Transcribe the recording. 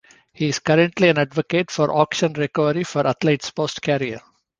He is currently an advocate for auction recovery for athletes post-career.